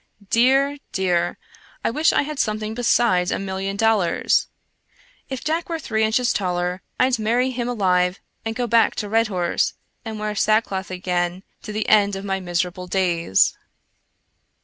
Dear, dear! I wish I had something besides a million dollars ! If Jack were three inches taller I'd marry him alive and go back to Red horse and wear sackcloth again to the end of my miserable days.